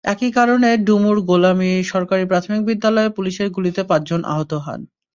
একই কারণে ডুমুর গোলামী সরকারি প্রাথমিক বিদ্যালয়ে পুলিশের গুলিতে পাঁচজন আহত হন।